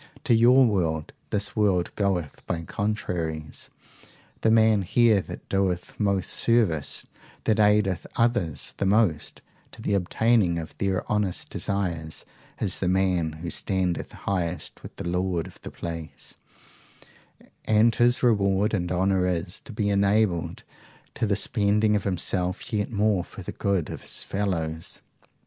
To your world, this world goeth by contraries. The man here that doeth most service, that aideth others the most to the obtaining of their honest desires, is the man who standeth highest with the Lord of the place, and his reward and honour is, to be enabled to the spending of himself yet more for the good of his fellows.